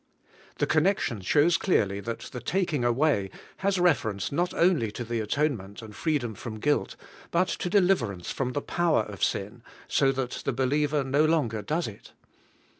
The connection shows clearly that the taking away has reference not only to the atonement and freedom from guilt, but to de liverance from the power of sin, so that the believer no longer does it.